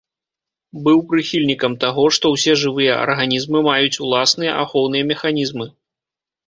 Быў прыхільнікам таго, што ўсе жывыя арганізмы маюць уласныя ахоўныя механізмы.